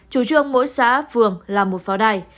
chủ trương mỗi xã phường là một pháo đài